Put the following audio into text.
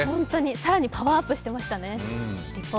更にパワーアップしていましたね。